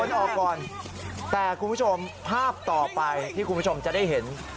ออกก่อนแต่คุณผู้ชมภาพต่อไปที่คุณผู้ชมจะได้เห็น